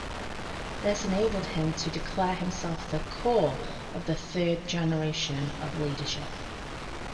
This enabled him to declare himself the "core" of the third generation of leadership.